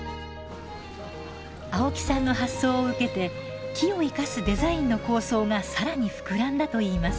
青木さんの発想を受けて木を生かすデザインの構想が更に膨らんだといいます。